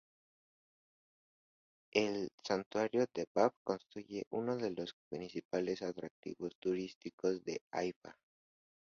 El Santuario del Báb constituye uno de los principales atractivos turísticos de Haifa.